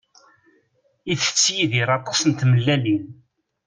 Itett Yidir aṭas n tmellalin.